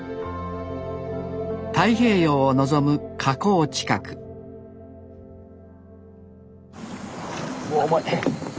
太平洋を望む河口近くうわ重い。